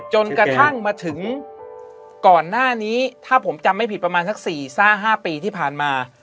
จนกระทั่งมาถึงก่อนหน้านี้ถ้าผมจำไม่ผิดประมาณสัก๔๕ปีที่ผ่านมา